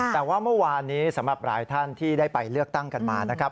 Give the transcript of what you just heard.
แต่ว่าเมื่อวานนี้สำหรับหลายท่านที่ได้ไปเลือกตั้งกันมานะครับ